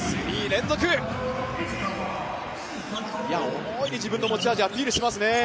大いに自分の持ち味を出しますね。